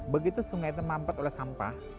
begitu sungai itu mampet oleh sampah